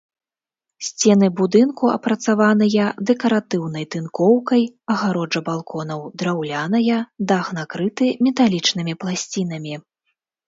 Сцены будынку апрацаваныя дэкаратыўнай тынкоўкай, агароджа балконаў драўляная, дах накрыты металічнымі пласцінамі.